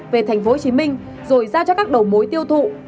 về tp hcm rồi giao cho các đầu mối tiêu thụ